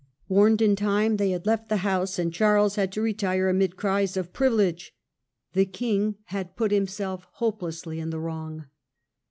Warned in time, they had left the House, and Charles had to retire amid cries of "privilege". The king had put himself hopelessly in the wrong.